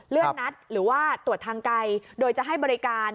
เลื่อนนัดหรือว่าตรวจทางไกลโดยจะให้บริการ